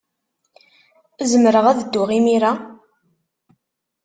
Zemreɣ ad dduɣ imir-a?